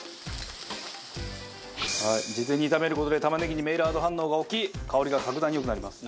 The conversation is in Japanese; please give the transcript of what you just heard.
事前に炒める事で玉ねぎにメイラード反応が起き香りが格段に良くなります。